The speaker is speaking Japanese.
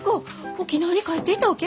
沖縄に帰っていたわけ？